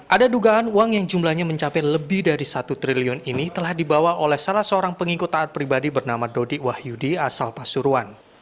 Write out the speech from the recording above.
ada dugaan uang yang jumlahnya mencapai lebih dari satu triliun ini telah dibawa oleh salah seorang pengikut taat pribadi bernama dodi wahyudi asal pasuruan